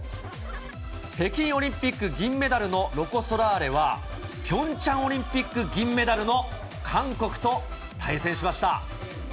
北京オリンピック銀メダルのロコ・ソラーレは、ピョンチャンオリンピック銀メダルの韓国と対戦しました。